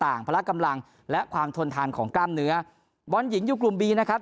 พละกำลังและความทนทานของกล้ามเนื้อบอลหญิงอยู่กลุ่มบีนะครับ